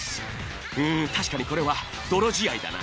うんたしかにこれは泥仕合だな。